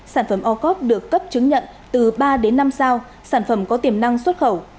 sản phẩm ocop được cấp chứng nhận từ ba đến năm sao sản phẩm có tiềm năng xuất khẩu